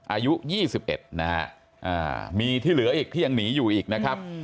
อายุ๒๑นะฮะมีที่เหลืออีกที่ยังหนีอยู่อีกนะครับ